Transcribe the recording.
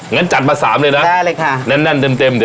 งั้นจัดมา๓เลยนะได้เลยค่ะนั่นเต็ม